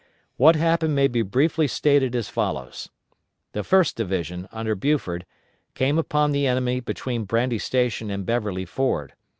What happened may be briefly stated as follows: The First Division, under Buford, came upon the enemy between Brandy Station and Beverly Ford.